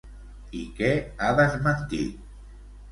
I què ha desmentit?